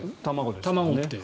卵って。